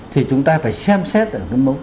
thì chúng ta phải xem xét